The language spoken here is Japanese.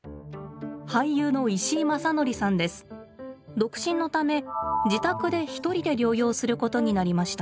独身のため自宅で一人で療養することになりました。